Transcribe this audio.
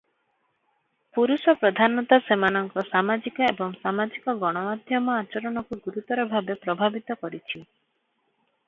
ପୁରୁଷପ୍ରଧାନତା ସେମାନଙ୍କ ସାମାଜିକ ଏବଂ ସାମାଜିକ ଗଣମାଧ୍ୟମ ଆଚରଣକୁ ଗୁରୁତର ଭାବେ ପ୍ରଭାବିତ କରିଛି ।